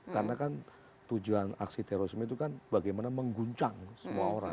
karena kan tujuan aksi terorisme itu kan bagaimana mengguncang semua orang